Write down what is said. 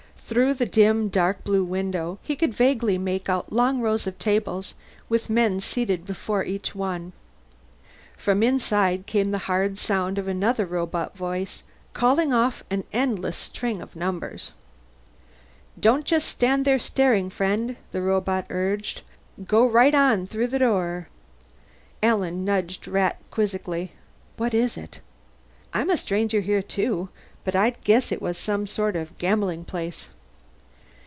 Through the dim dark blue window he could vaguely make out long rows of tables, with men seated before each one. From inside came the hard sound of another robot voice, calling off an endless string of numbers. "Don't just stand there staring, friend," the robot urged. "Go right on through the door." Alan nudged Rat quizzically. "What is it?" "I'm a stranger here too. But I'd guess it was some sort of gambling place."